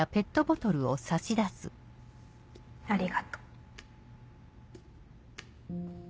ありがとう。